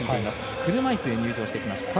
車いすで入場しました。